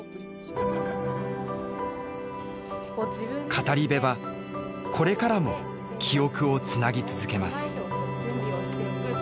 語り部はこれからも記憶をつなぎ続けます。